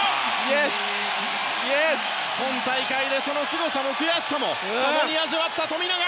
今大会でそのすごさも、悔しさも共に味わった富永！